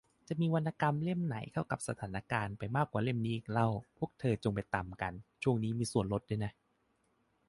จะมีวรรณกรรมเล่มไหนเข้ากับสถานการณ์มากไปกว่าเล่มนี้อีกเล่า พวกเธอว์จงไปตำกัน ช่วงนี้มีส่วนลดด้วยนะ